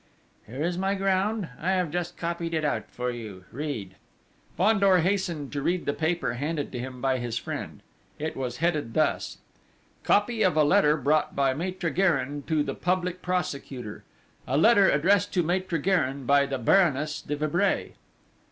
"Here is my ground! I have just copied it out for you! Read!..." Fandor hastened to read the paper handed to him by his friend. It was headed thus: "_Copy of a letter brought by Maître Gérin to the Public Prosecutor, a letter addressed to Maître Gérin by the Baroness de Vibray.